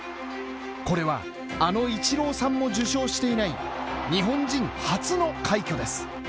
これは、あのイチローさんも受賞していない日本人初の快挙です。